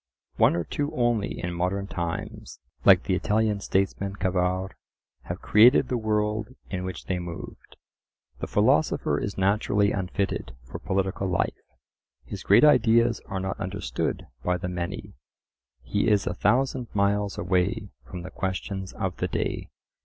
One or two only in modern times, like the Italian statesman Cavour, have created the world in which they moved. The philosopher is naturally unfitted for political life; his great ideas are not understood by the many; he is a thousand miles away from the questions of the day.